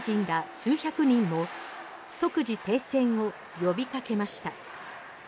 数百人も即時停戦を呼びかけました。